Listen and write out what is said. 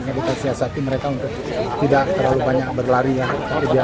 kita siasati mereka untuk tidak terlalu banyak berlari ya